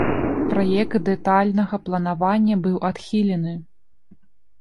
Праект дэтальнага планавання быў адхілены.